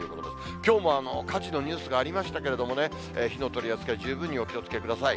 きょうも火事のニュースがありましたけれどもね、火の取り扱い十分にお気をつけください。